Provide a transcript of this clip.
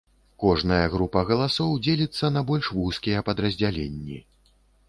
Кожная група галасоў дзеліцца на больш вузкія падраздзяленні.